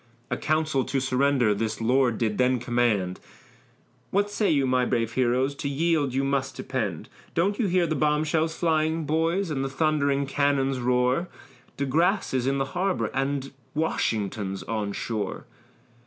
A council to surrender this lord did then command; "What say you, my brave heroes, to yield you must depend; Don't you hear the bomb shells flying, boys, and the thundering cannon's roar? De Grasse is in the harbor, and Washington's on shore."